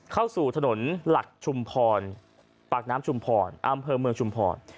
เข้าสู่ถนนหลักชุมพรปากน้ำชุมพรอำเภอเมืองชุมพร